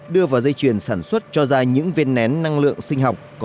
đưa vào dây chuyền sản xuất cho ra những viên nén năng lượng sinh học